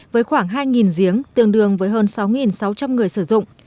với khoảng hai giếng tương đương với hơn sáu sáu trăm linh người sử dụng